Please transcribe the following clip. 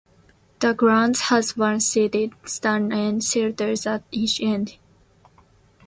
The ground has one seated stand and shelters at each end.